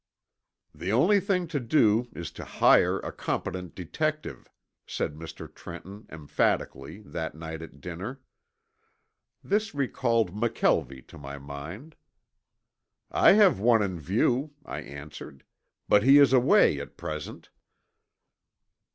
"The only thing to do is to hire a competent detective," said Mr. Trenton emphatically, that night at dinner. This recalled McKelvie to my mind. "I have one in view," I answered, "but he is away at present."